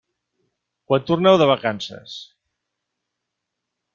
Quan torneu de vacances?